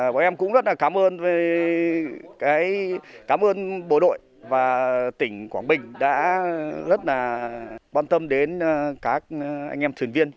bọn em cũng rất là cảm ơn bộ đội và tỉnh quảng bình đã rất là quan tâm đến các anh em thuyền viên